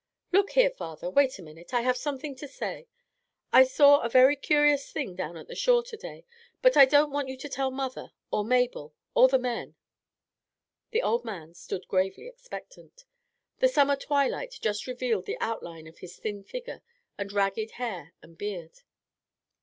"Look here, father; wait a minute. I have something to say. I saw a very curious thing down at the shore to day, but I don't want you to tell mother, or Mabel, or the men." The old man stood gravely expectant. The summer twilight just revealed the outline of his thin figure and ragged hair and beard.